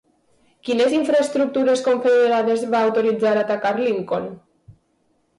Quines infraestructures confederades va autoritzar atacar Lincoln?